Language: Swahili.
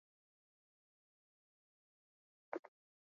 oka mkate wako wa viazi lishe